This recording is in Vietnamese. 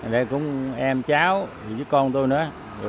đây cũng em cháu với con tôi nữa